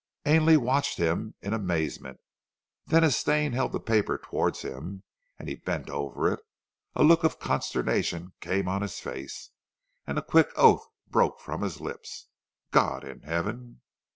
Ainley watched him in amazement, and then as Stane held the paper towards him, and he bent over it, a look of consternation came on his face, and a quick oath broke from his lips. "God in heaven!"